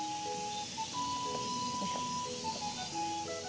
よいしょ。